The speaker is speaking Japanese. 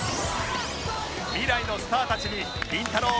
未来のスターたちにりんたろー。